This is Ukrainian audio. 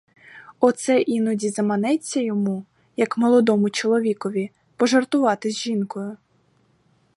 Оце іноді заманеться йому, як молодому чоловікові, пожартувати з жінкою.